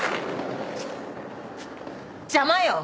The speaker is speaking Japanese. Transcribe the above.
邪魔よ！